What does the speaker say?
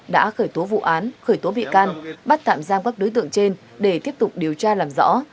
đã khởi tố vụ án khởi tố bị can bắt tạm giam các đối tượng trên để tiếp tục điều tra làm rõ